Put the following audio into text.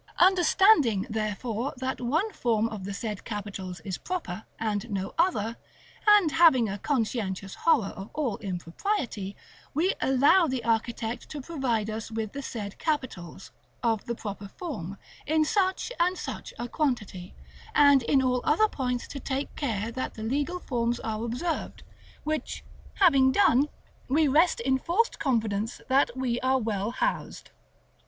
Understanding, therefore, that one form of the said capitals is proper, and no other, and having a conscientious horror of all impropriety, we allow the architect to provide us with the said capitals, of the proper form, in such and such a quantity, and in all other points to take care that the legal forms are observed; which having done, we rest in forced confidence that we are well housed.